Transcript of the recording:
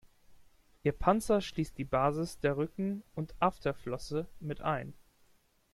Ihr Panzer schließt die Basis der Rücken- und Afterflosse mit ein.